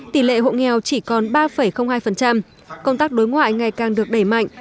tỷ lệ hộ nghèo chỉ còn ba hai công tác đối ngoại ngày càng được đẩy mạnh